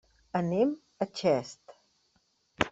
Anem a Xest.